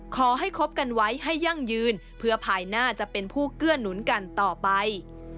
คบกันไว้ให้ยั่งยืนเพื่อภายหน้าจะเป็นผู้เกื้อหนุนกันต่อไป